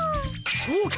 そうか？